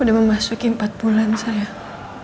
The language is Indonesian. udah memasuki empat bulan saya